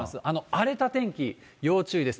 荒れた天気、要注意です。